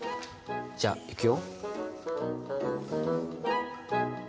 じゃいくよ！